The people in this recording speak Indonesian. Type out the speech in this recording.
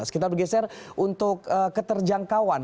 kita bergeser untuk keterjangkauan